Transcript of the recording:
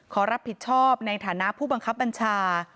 ขอรับผิดชอบในฐานะผู้บังคับบัญชา